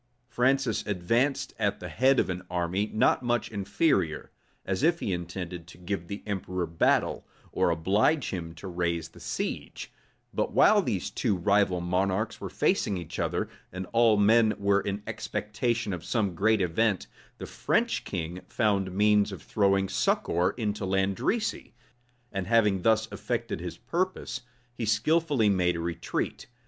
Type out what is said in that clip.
Francis advanced at the head of an army not much inferior; as if he intended to give the emperor battle, or oblige him to raise the siege: but while these two rival monarchs were facing each other, and all men were in expectation of some great event, the French king found means of throwing succor into Landrecy; and having thus effected his purpose, he skilfully made a retreat.